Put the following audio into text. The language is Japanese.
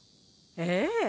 ええ。